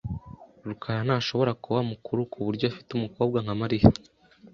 rukara ntashobora kuba mukuru kuburyo afite umukobwa nka Mariya .